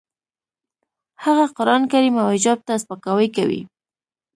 هغه قرانکریم او حجاب ته سپکاوی کوي